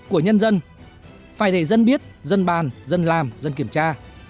của nhân dân phải để dân biết dân bàn dân làm dân kiểm tra